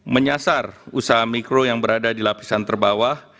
menyasar usaha mikro yang berada di lapisan terbawah